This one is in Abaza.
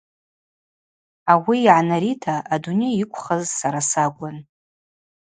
Ауи йгӏанарита адуней йыквхыз сара сакӏвын.